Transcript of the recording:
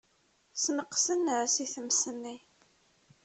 Sneqsen-as i tmes-nni.